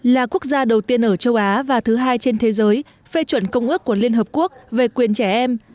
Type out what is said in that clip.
là quốc gia đầu tiên ở châu á và thứ hai trên thế giới phê chuẩn công ước của liên hợp quốc về quyền trẻ em